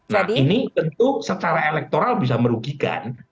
nah ini tentu secara elektoral bisa merugikan